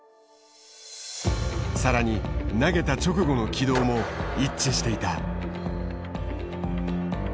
更に投げた直後の軌道も一致していた。